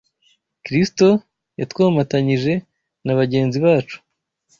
Kristo yatwomatanyije na bagenzi bacu